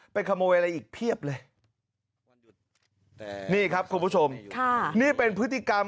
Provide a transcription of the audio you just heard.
ขโมยอะไรอีกเพียบเลยนี่ครับคุณผู้ชมค่ะนี่เป็นพฤติกรรม